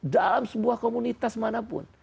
dalam sebuah komunitas manapun